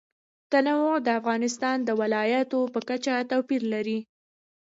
تنوع د افغانستان د ولایاتو په کچه توپیر لري.